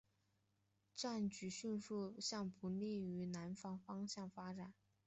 战局迅速向不利于南方的方向发展。